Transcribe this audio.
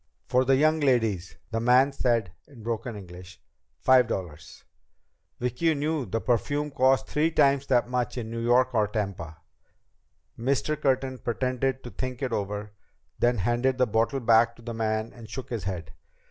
"For the young ladies," the man said in broken English. "Five dollars." Vicki knew the perfume cost three times that in New York or Tampa. Mr. Curtin pretended to think it over. Then he handed the bottle back to the man and shook his head.